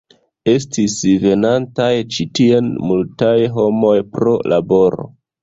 Estis venantaj ĉi tien multaj homoj pro laboro.